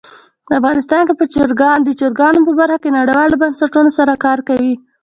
افغانستان د چرګان په برخه کې نړیوالو بنسټونو سره کار کوي.